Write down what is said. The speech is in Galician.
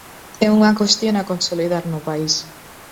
É unha cuestión a consolidar no país.